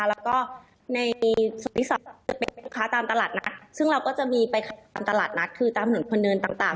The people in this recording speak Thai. แล้วก็ในสุทธิศัพท์จะเป็นลูกค้าตามตลาดนัดซึ่งเราก็จะมีไปตามตลาดนัดคือตามถนนคนเดินต่าง